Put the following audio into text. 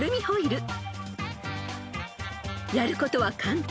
［やることは簡単］